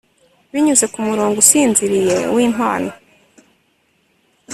binyuze kumurongo usinziriye wimpano